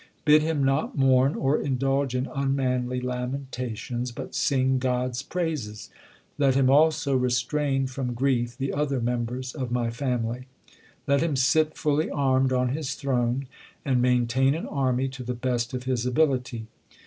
Bid him not mourn or indulge in unmanly lamentations but sing God s praises. Let him also restrain from grief the other members of my family. Let him sit fully armed on his throne, and maintain an army to the best of his ability.